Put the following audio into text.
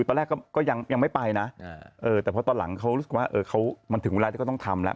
ตอนแรกก็ก็ยังยังไม่ไปน่ะเออแต่เพราะตอนหลังเขารู้สึกว่าเออเขามันถึงเวลาที่ก็ต้องทำแล้ว